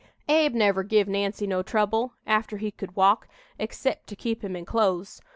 "Abe never give Nancy no trouble after he could walk excep' to keep him in clothes.